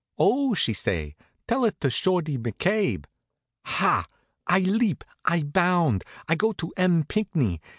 'Oh,' she say, 'tell it to Shorty McCabe.' Ha! I leap, I bound! I go to M. Pinckney.